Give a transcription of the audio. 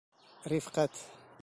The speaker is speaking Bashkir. Рифҡәт.